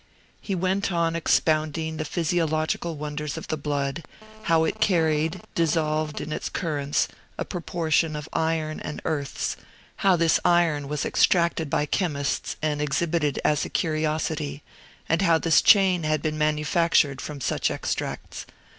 He went on expounding the physiological wonders of the blood, how it carried, dissolved in its currents, a proportion of iron and earths; how this iron was extracted by chemists and exhibited as a curiosity; and how this chain had been manufactured from such extracts.